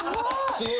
すごい！